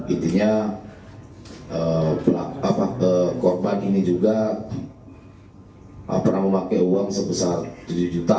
intinya korban ini juga pernah memakai uang sebesar tujuh juta